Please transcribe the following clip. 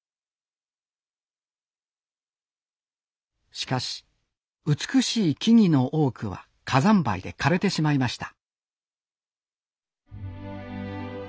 しかし美しい木々の多くは火山灰で枯れてしまいました